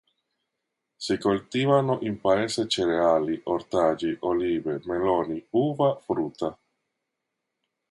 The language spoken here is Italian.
Si coltivano in paese cereali, ortaggi, olive, meloni, uva, frutta.